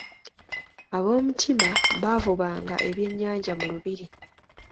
Aboomutima baavubanga ebyennyanja mu lubiri.